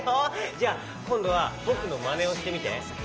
じゃあこんどはぼくのまねをしてみて。